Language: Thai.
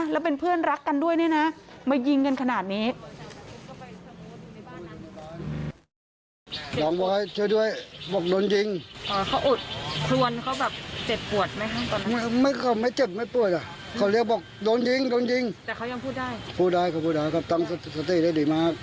แล้วเป็นเพื่อนรักกันด้วยนี่นะ